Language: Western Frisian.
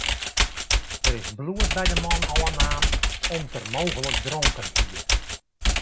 Der is bloed by de man ôfnaam om't er mooglik dronken hie.